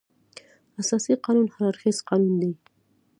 اساسي قانون هر اړخیز قانون دی.